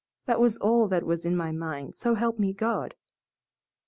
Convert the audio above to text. That was all that was in my mind, so help me God!"